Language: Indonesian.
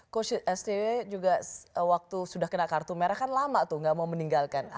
coach scw juga waktu sudah kena kartu merah kan lama tuh gak mau meninggalkan